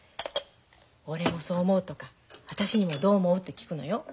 「俺もそう思う」とか私にも「どう思う？」って聞くのよ。